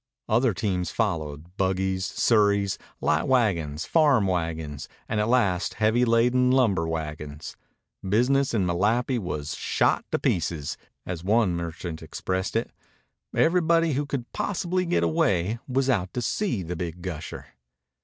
Other teams followed, buggies, surreys, light wagons, farm wagons, and at last heavily laden lumber wagons. Business in Malapi was "shot to pieces," as one merchant expressed it. Everybody who could possibly get away was out to see the big gusher.